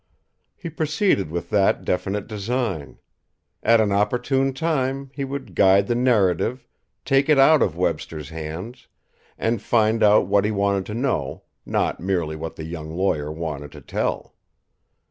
He proceeded with that definite design: at an opportune time, he would guide the narrative, take it out of Webster's hands, and find out what he wanted to know, not merely what the young lawyer wanted to tell.